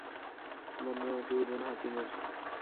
বর্ণনাটি Ibn হাতিমের।